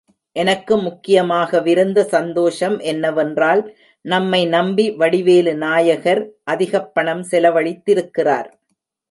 எனக்கு முக்கியமாகவிருந்த சந்தோஷம் என்னவென்றால், நம்மை நம்பி வடிவேலு நாயகர், அதிகப் பணம் செலவழித்திருக்கிறார்.